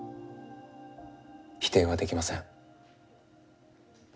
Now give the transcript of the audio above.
否定はできません。